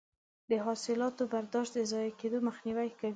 د حاصلاتو برداشت د ضایع کیدو مخنیوی کوي.